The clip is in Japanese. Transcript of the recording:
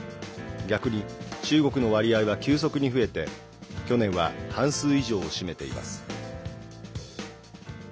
逆に、中国の割合は急速に増えて去年は半数以上を占めています。